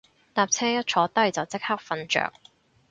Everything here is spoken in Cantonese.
搭車一坐低就即刻瞓着